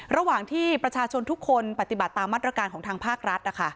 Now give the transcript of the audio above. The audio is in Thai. ระหว่างที่ประชาชนทุกคนปฏิบัติตามมาตรการของทางภาครัฐ